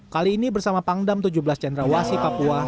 kali ini bersama pangdam tujuh belas cendrawasi papua